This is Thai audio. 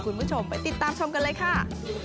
คุณผู้ชมไปติดตามชมกันเลยค่ะ